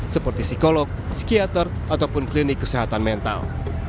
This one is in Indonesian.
seperti psikolog psikiater ataupun klinik kesehatan mental